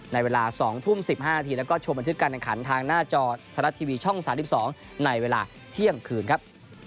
ในเวลา๒ทุ่ม๑๕นาทีแล้วก็ชมบันทึกการแข่งขันทางหน้าจอไทยรัฐทีวีช่อง๓๒ในเวลาเที่ยงคืนครับ